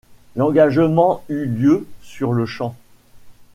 L’engagement eut lieu sur-le-champ.